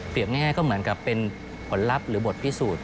ง่ายก็เหมือนกับเป็นผลลัพธ์หรือบทพิสูจน์